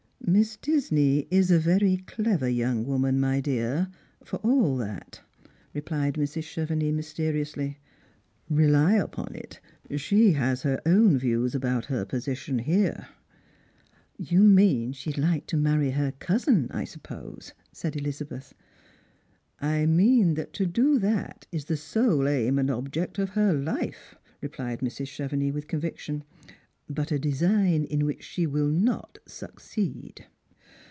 " Miss Disney is a very clever young woman, my dear, for all that," replied Mrs. Chevenix mysteriously ;" rely upon it, she has her own views about her position here." " You mean that she would like to marry her cousin, I sup pose." said Elizabeth. " I mean that to do that is the sole aim and object of her life," replied Mrs. Chevenix with conviction, "but a design in which she will not succeed."